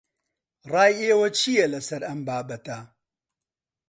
ڕای ئێوە چییە لەسەر ئەم بابەتە؟